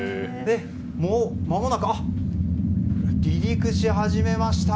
まもなく離陸し始めました。